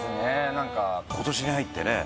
何か今年に入ってね